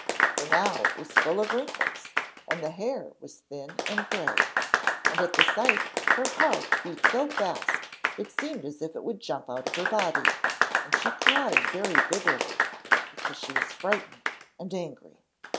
For now it was full of wrinkles, and the hair was thin and grey. And at the sight her heart beat so fast it seemed as if it would jump out of her body, and she cried very bitterly, because she was frightened and angry.